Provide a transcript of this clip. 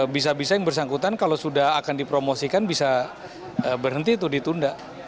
bisa bisa yang bersangkutan kalau sudah akan dipromosikan bisa berhenti itu ditunda